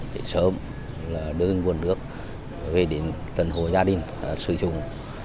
để sớm đưa nguồn nước về đến tận hồ gia đình sử dụng